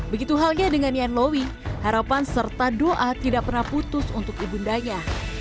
begitu halnya dengan yan lowi harapan serta doa tidak pernah putus untuk ibu daya